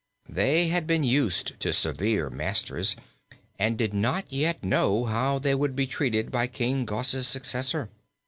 They had been used to severe masters and did not yet know how they would be treated by King Gos's successor.